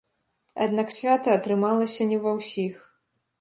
Аднак свята атрымалася не ва ўсіх.